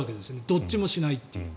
どっちもしないという。